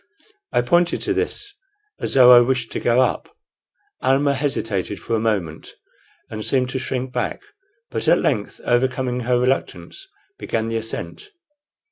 I pointed to this, as though I wished to go up. Almah hesitated for a moment, and seemed to shrink back, but at length, overcoming her reluctance, began the ascent.